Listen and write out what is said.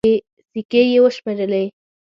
سيکې يې وشمېرلې.